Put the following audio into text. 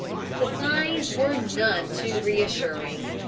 The signs were none too reassuring.